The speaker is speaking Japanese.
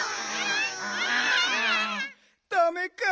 ダメか。